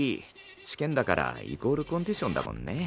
試験だからイコールコンディションだもんね。